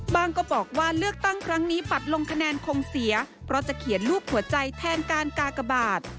ก็บอกว่าเลือกตั้งครั้งนี้บัตรลงคะแนนคงเสียเพราะจะเขียนรูปหัวใจแทนการกากบาท